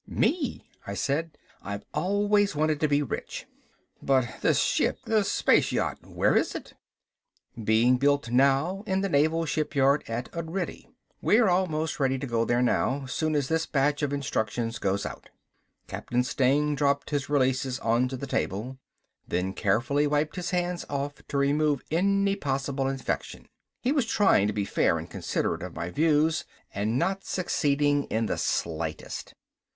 "Me," I said. "I've always wanted to be rich." "But this ship, the space yacht, where is it?" "Being built now in the naval shipyard at Udrydde. We're almost ready to go there now, soon as this batch of instructions goes out." Captain Steng dropped the releases onto the table, then carefully wiped his hands off to remove any possible infection. He was trying to be fair and considerate of my views, and not succeeding in the slightest.